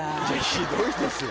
ひどいですよ